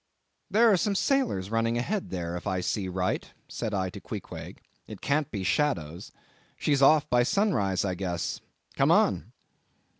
"There are some sailors running ahead there, if I see right," said I to Queequeg, "it can't be shadows; she's off by sunrise, I guess; come on!"